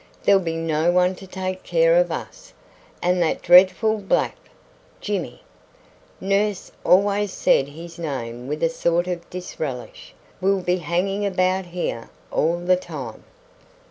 There'll be no one to take care of us, and that dreadful black, Jimmy" nurse always said his name with a sort of disrelish "will be hanging about here all the time."